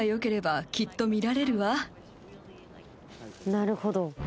なるほど。